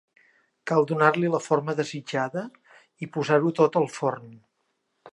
Cal donar-li la forma desitjada i posar-ho tot al forn.